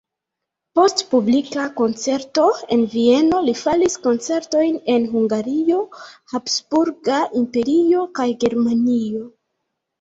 Post publika koncerto en Vieno li faris koncertojn en Hungario, Habsburga Imperio kaj Germanio.